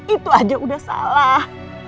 itu aja udah salah